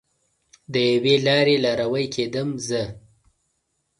د یوې لارې لاروی کیدم زه